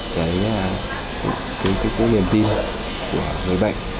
cái nguyên tin của người bệnh